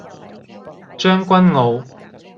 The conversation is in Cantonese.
將軍澳